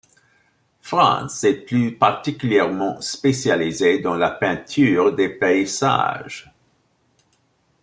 Frans s'est plus particulièrement spécialisé dans la peinture de paysages.